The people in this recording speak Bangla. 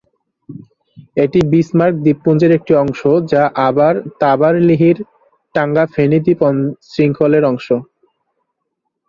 এটি বিসমার্ক দ্বীপপুঞ্জের একটি অংশ, যা আবার তাবার-লিহির-টাঙ্গা-ফেনি দ্বীপ শৃঙ্খলের অংশ।